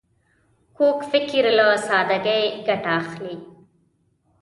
کوږ فکر له سادګۍ ګټه اخلي